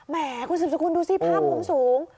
แหมคุณสุดสกุลดูสิภาพมุมสูง